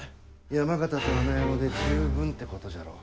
山県と穴山で十分ってことじゃろう。